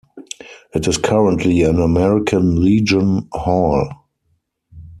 It is currently an American Legion hall.